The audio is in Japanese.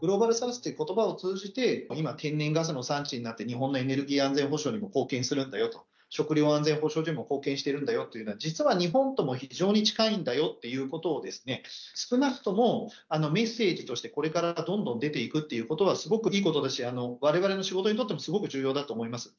グローバルサウスということばを通じて、今、天然ガスの産地になって、日本のエネルギー安全保障にも貢献するんだよと、食料安全保障上も貢献してるんだよというのは、実は日本とも非常に近いんだよっていうことを、少なくともメッセージとして、これからどんどん出ていくってことはすごくいいことですし、われわれの仕事にとってもすごく重要だと思います。